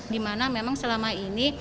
dimana memang selama ini